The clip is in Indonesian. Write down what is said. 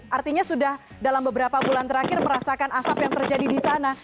artinya sudah dalam beberapa bulan terakhir merasakan asap yang terjadi di sana